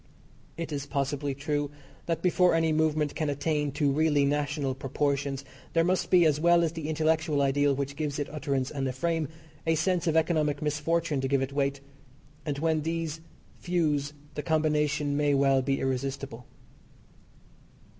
It is possibly true that before any movement can attain to really national proportions there must be, as well as the intellectual ideal which gives it utterance and a frame, a sense of economic misfortune to give it weight, and when these fuse the combination may well be irresistible.